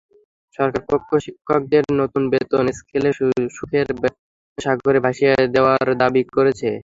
সরকারপক্ষ শিক্ষকদের নতুন বেতন স্কেলে সুখের সাগরে ভাসিয়ে দেওয়ার দাবি করছে।